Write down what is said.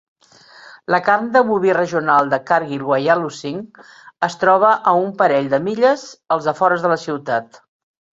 La carn de boví regional de Cargill, Wyalusing, es troba a un parell de milles als afores de la ciutat.